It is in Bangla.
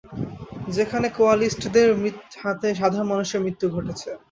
যেখানে কোয়ালিস্টদের হাতে সাধারণ মানুষের মৃত্যু ঘটেছে।